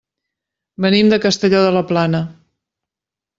Venim de Castelló de la Plana.